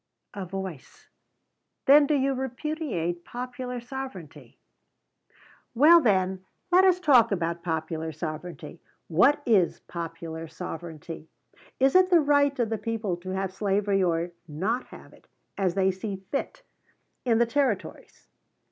[A voice: "Then do you repudiate Popular Sovereignty?"] Well, then, let us talk about popular sovereignty. What is Popular Sovereignty? Is it the right of the people to have slavery or not have it, as they see fit, in the Territories?